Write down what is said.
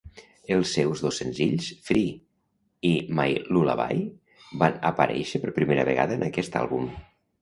Els seus dos senzills "Free" i "My Lullaby" van aparèixer per primera vegada en aquest àlbum.